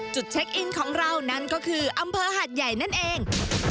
เช็คอินของเรานั่นก็คืออำเภอหาดใหญ่นั่นเอง